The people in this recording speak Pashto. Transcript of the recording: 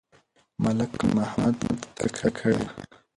ملک محمد قصه کړې ده.